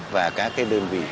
và các cái đơn vị